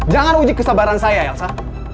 jangan uji kesabaran saya elsa